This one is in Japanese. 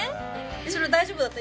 それは大丈夫だった？